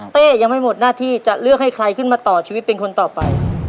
ยังไม่หมดหน้าที่จะเลือกให้ใครขึ้นมาต่อชีวิตเป็นคนต่อไป